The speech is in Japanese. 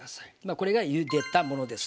これがゆでたものです。